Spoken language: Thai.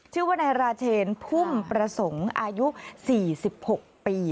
ชื่อว่านายราเชนพุ่มประสงค์อายุ๔๖ปี